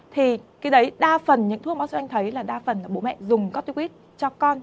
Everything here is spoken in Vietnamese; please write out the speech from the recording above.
thì cái đấy đa phần những thuốc báo sơ anh thấy là đa phần là bố mẹ dùng corticoid cho con